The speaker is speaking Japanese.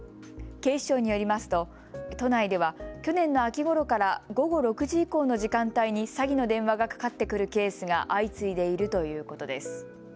警視庁によりますと都内では去年の秋ごろから午後６時以降の時間帯に詐欺の電話がかかってくるケースが相次いでいるということです。